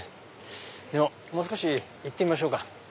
でももう少し行ってみましょうか。